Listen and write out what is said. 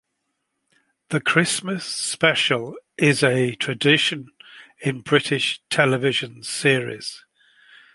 The Christmas special is a tradition in British television series.